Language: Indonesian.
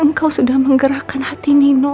engkau sudah menggerakkan hati nino